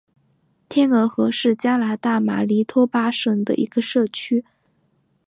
天鹅河是加拿大马尼托巴省的一个社区。